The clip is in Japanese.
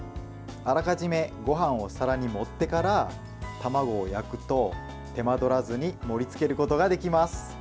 あらかじめごはんをお皿に盛ってから卵を焼くと手間取らずに盛りつけることができます。